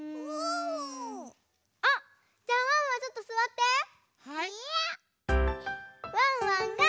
うん！